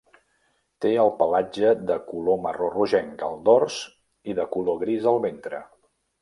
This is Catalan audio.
Té el pelatge de color marró rogenc al dors i de color gris al ventre.